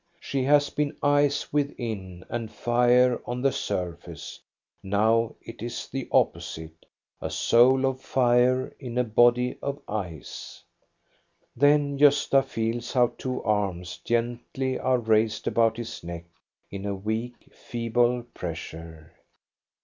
She has been ice within and fire on the sur face ; now it is the opposite, a soul of fire in a body of ice. Then Gosta feels how two arms gently are raised about his neck in a weak, feeble pressure.